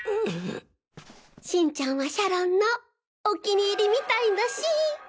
新ちゃんはシャロンのお気に入りみたいだし。